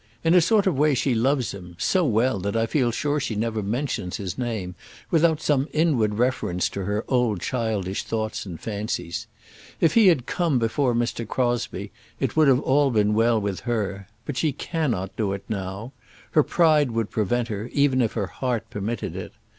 In a sort of a way she loves him so well, that I feel sure she never mentions his name without some inward reference to her old childish thoughts and fancies. If he had come before Mr. Crosbie it would have all been well with her. But she cannot do it now. Her pride would prevent her, even if her heart permitted it.